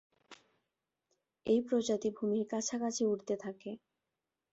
এই প্রজাতি ভূমির কাছাকাছি উড়তে থাকে।